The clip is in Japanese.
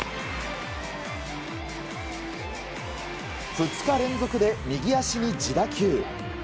２日連続で右足に自打球。